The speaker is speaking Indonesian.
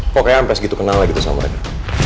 kok kayak hampir segitu kenal lagi sama mereka